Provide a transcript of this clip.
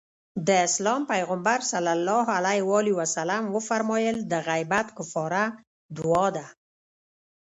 د اسلام پيغمبر ص وفرمايل د غيبت کفاره دعا ده.